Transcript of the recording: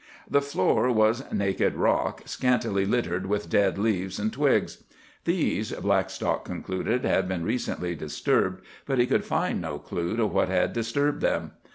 The floor was naked rock, scantily littered with dead leaves and twigs. These, Blackstock concluded, had been recently disturbed, but he could find no clue to what had disturbed them.